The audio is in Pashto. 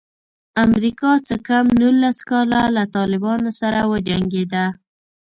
امریکا څه کم نولس کاله له طالبانو سره وجنګېده.